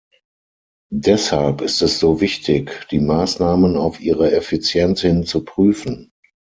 Deshalb ist es so wichtig, die Maßnahmen auf ihre Effizienz hin zu prüfen.